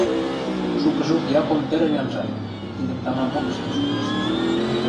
Шукыжок Яком тӹрӹнь анжат, тидӹм тамамок ӹштен шунештӹ.